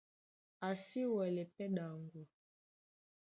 A si wɛlɛ́ pɛ́ ɗaŋgwa.